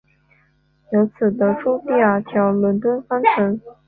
由此得出第二条伦敦方程。